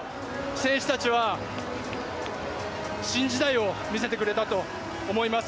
選手たちは、新時代を見せてくれたと思います。